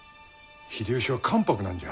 秀吉は関白なんじゃ。